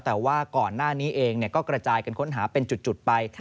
แต่ว่าก่อนหน้านี้เองก็กระจายกันค้นหาเป็นจุดไป